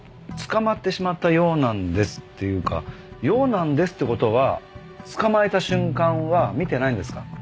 「捕まってしまったようなんです」っていうか「ようなんです」って事は捕まえた瞬間は見てないんですか？